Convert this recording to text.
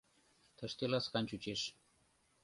Тыште ласкан чучеш.